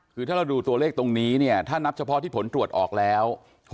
คือถ้าเราดูตัวเลขตรงนี้เนี่ยถ้านับเฉพาะที่ผลตรวจออกแล้ว